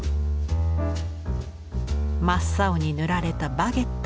真っ青に塗られたバゲット。